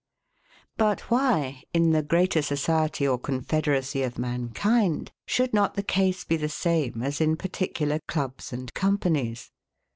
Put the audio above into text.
But why, in the greater society or confederacy of mankind, should not the case be the same as in particular clubs and companies?